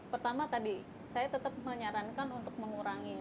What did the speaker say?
pertama tadi saya tetap menyarankan untuk mengurangi